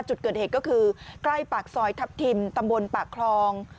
จุดเกิดเหตุก็คือใกล้ปากซอยทัพทิมตำบลปากคลอง